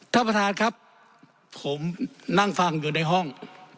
ท่านประธานครับผมนั่งฟังอยู่ในห้อง